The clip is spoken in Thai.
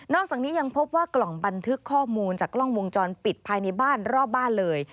อกจากนี้ยังพบว่ากล่องบันทึกข้อมูลจากกล้องวงจรปิดภายในบ้านรอบบ้านเลย